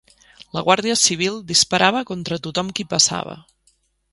La Guàrdia Civil disparava contra tothom qui passava.